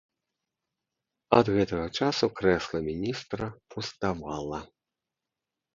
Ад гэтага часу крэсла міністра пуставала.